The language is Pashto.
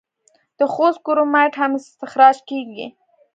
د خوست کرومایټ هم استخراج کیږي.